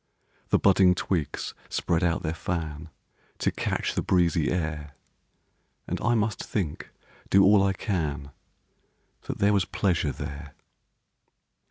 The budding twigs spread out their fan To catch the breezy air; And I must think, do all I can, That there was pleasure there.